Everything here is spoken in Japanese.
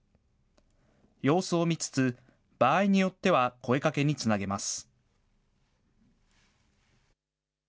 様子を見つつ、場合によっては声かけにつなげます。